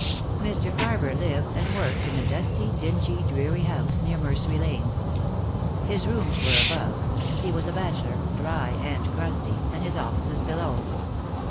Mr. Carver lived and worked in a dusty, dingy, dreary house near Mercery Lane. His rooms were above he was a bachelor, dry and crusty and his offices below.